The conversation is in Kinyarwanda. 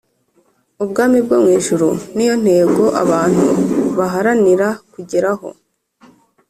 ubwami bwo mu ijuru ni yo ntego abantu baharanira kugeraho